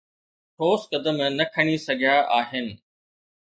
ٺوس قدم نه کڻي سگهيا آهن